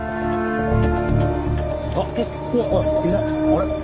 あれ？